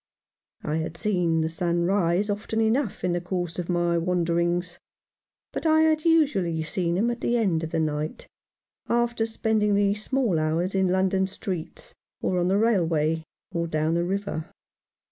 I had seen the sun rise often enough in the course of my wanderings ; but I had usually seen him at the end of the night — after spending the small hours in London streets, or on the railway, or down the river.